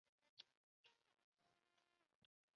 他现在效力于德国足球甲级联赛球队汉堡。